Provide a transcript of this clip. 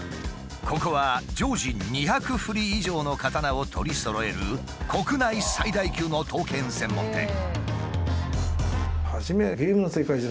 ここは常時２００振り以上の刀を取りそろえる国内最大級の刀剣専門店。